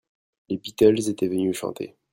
les Beatles étaient venus chanter.